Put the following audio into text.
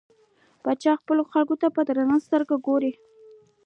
پاچا خپلو خلکو ته په درنه سترګه نه ګوري .